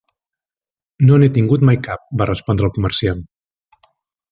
"No n'he tingut mai cap" va respondre el comerciant.